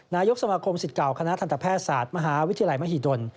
นายกสมาคมสิทธิ์เก่าคณะทันตแพทย์ศาสตร์มหาวิทยาลัยมหิดล